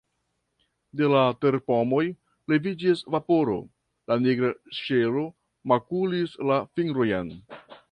De la terpomoj leviĝis vaporo, la nigra ŝelo makulis la fingrojn.